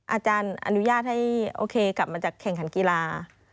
อาจารย์อนุญาตให้โอเคกลับมาจากแข่งขันกีฬา